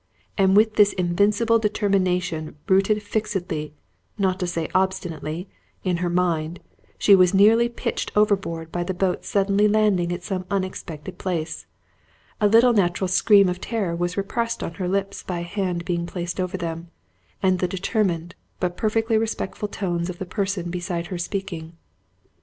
And with this invincible determination rooted fixedly, not to say obstinately, in her mind, she was nearly pitched overboard by the boat suddenly landing at some unexpected place. A little natural scream of terror was repressed on her lips by a hand being placed over them, and the determined but perfectly respectful tones of the person beside her speaking.